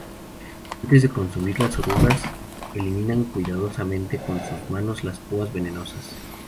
Antes de consumir las orugas eliminan cuidadosamente con sus manos las púas venenosas.